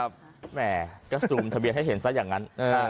แหมก็ซูมทะเบียนให้เห็นซะอย่างนั้น